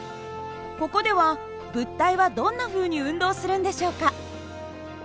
ここでは物体はどんなふうに運動するんでしょうか？